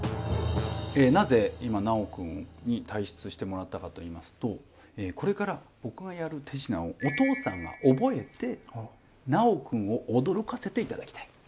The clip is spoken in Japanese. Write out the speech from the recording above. なぜ今尚くんに退出してもらったかといいますとこれから僕がやる手品をお父さんが覚えて尚くんを驚かせて頂きたい。